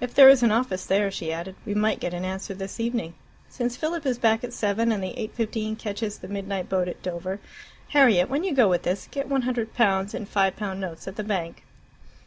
"If there is an office there," she added, "we might get an answer this evening. Since Philip is back at seven, and the eight fifteen catches the midnight boat at Dover Harriet, when you go with this, get 100 pounds in 5 pound notes at the bank."